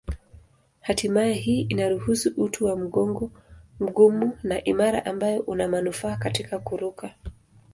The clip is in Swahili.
Hatimaye hii inaruhusu uti wa mgongo mgumu na imara ambayo una manufaa katika kuruka.